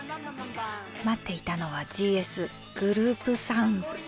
待っていたのはＧＳグループサウンズ。